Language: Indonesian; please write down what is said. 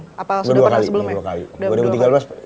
dua kali dua tahun sebelumnya